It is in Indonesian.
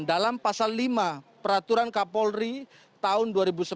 dalam pasal lima peraturan kapolri tahun dua ribu sebelas